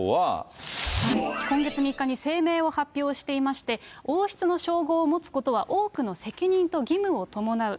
今月３日に声明を発表していまして、王室の称号を持つことは多くの責任と義務を伴う。